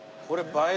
映え。